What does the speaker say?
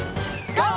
ＧＯ！